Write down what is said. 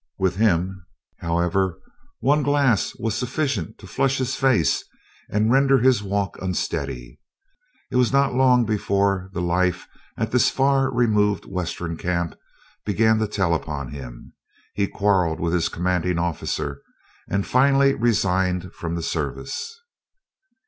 With him, however, one glass was sufficient to flush his face and render his walk unsteady. It was not long before the life at this far removed western camp began to tell upon him. He quarreled with his commanding officer, and finally resigned from the service.